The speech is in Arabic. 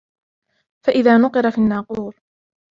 فإذا نقر في الناقور